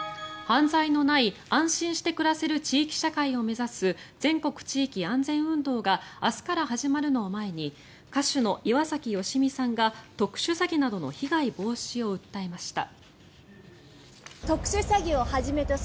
犯罪のない、安心して暮らせる地域社会を目指す全国地域安全運動が明日から始まるのを前に歌手の岩崎良美さんが特殊詐欺などの被害防止を訴えました。